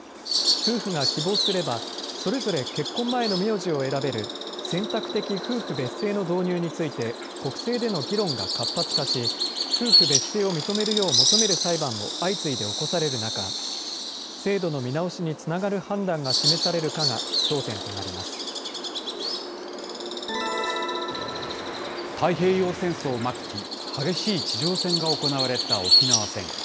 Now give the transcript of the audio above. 夫婦が希望すれば、それぞれ結婚前の名字を選べる選択的夫婦別姓の導入について国政での議論が活発化し、夫婦別姓を認めるよう求める裁判も相次いで起こされる中、制度の見直しにつながる判断が示されるかが焦点と太平洋戦争末期、激しい地上戦が行われた沖縄戦。